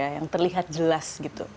yang terlihat jelas